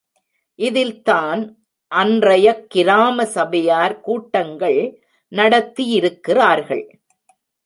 இதில்தான் அன்றையக் கிராம சபையார் கூட்டங்கள் நடத்தியிருக்கிறார்கள்.